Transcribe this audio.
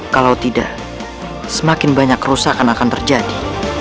kalau tidak semakin banyak kerusakan akan terjadi